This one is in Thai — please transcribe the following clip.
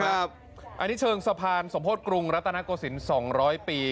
อันนี้เชิงสะพานสมโพธิกรุงรัตนโกศิลป๒๐๐ปี